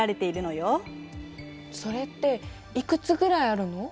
それっていくつぐらいあるの？